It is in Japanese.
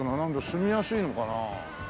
住みやすいのかな？